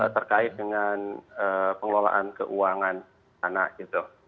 terkait dengan pengelolaan keuangan anak gitu